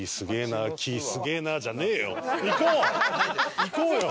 行こうよ！